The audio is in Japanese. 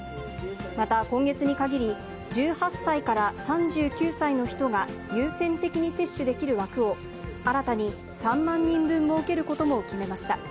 また、今月に限り、１８歳から３９歳の人が優先的に接種できる枠を、新たに３万人分設けることも決めました。